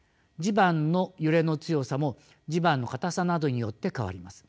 地盤の揺れの強さも地盤のかたさなどによって変わります。